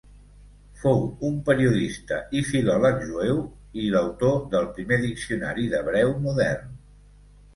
Fou un periodista i filòleg jueu i l'autor del primer diccionari d'hebreu modern.